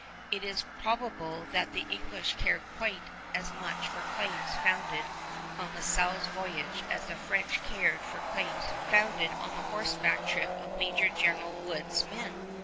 It is probable that the English cared quite as much for claims founded on La Salle's voyage as the French cared for claims founded on the horseback trip of Major General Wood's men.